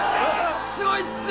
すごいっすよ